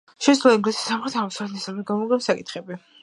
შეისწავლა ინგლისის სამხრეთ-აღმოსავლეთ ნაწილის გეომორფოლოგიური საკითხები.